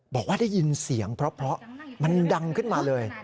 บอกว่าได้ยินเสียงเพราะมันดังขึ้นมาเลย